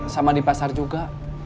sama di pasar juga